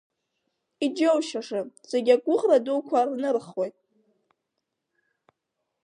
Иџьоушьаша, зегьы агәыӷра дуқәа рнырхуеит.